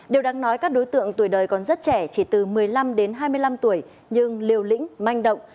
điều đáng nói các đối tượng tuổi đời còn rất trẻ chỉ từ một mươi năm đến hai mươi năm tuổi nhưng liều lĩnh manh động